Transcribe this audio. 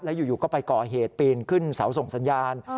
อยู่ก็ไปก่อเหตุปีนขึ้นเสาส่งสัญญาณ